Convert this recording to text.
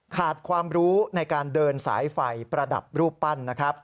ขาดความรู้ในการเดินสายไฟประดับรูปปั้นนะครับ